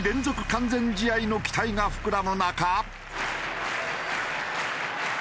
完全試合の期待が膨らむ中。